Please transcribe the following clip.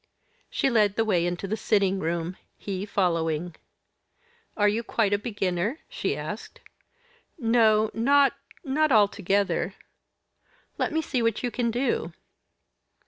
She led the way into the sitting room he following. "Are you quite a beginner?" she asked. "No, not not altogether." "Let me see what you can do."